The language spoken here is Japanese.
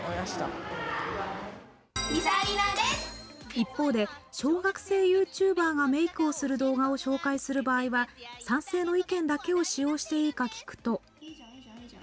一方で小学生ユーチューバーがメークをする動画を紹介する場合は賛成の意見だけを使用していいか聞くと。